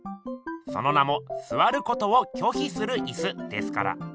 その名も「坐ることを拒否する椅子」ですから。